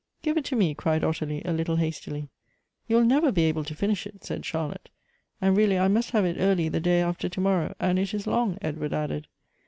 " Give it to me," cried Ottilie, a little hastily. " You will never be able to finish it," said Charlotte. "And really I must have it early the day after to morrow, and it is long," Edward added.